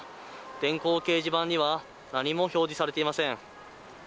電光掲示板には何も表示されていません。